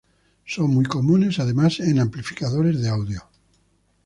Son muy comunes además en amplificadores de audio.